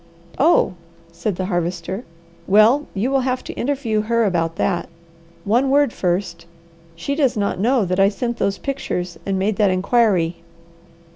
"Oh!" said the Harvester. "Well you will have to interview her about that. One word first. She does not know that I sent those pictures and made that inquiry.